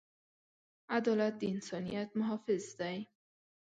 عدالت د انسانیت محافظ دی.